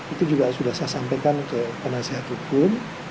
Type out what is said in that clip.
itu juga sudah saya sampaikan ke penasihat hukum